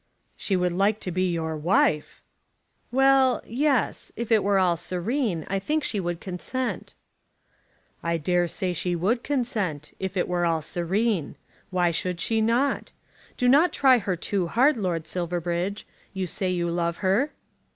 "She would like to be your wife!" "Well; yes. If it were all serene, I think she would consent." "I dare say she would consent, if it were all serene. Why should she not? Do not try her too hard, Lord Silverbridge. You say you love her."